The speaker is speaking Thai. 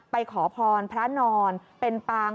ขอพรพระนอนเป็นปาง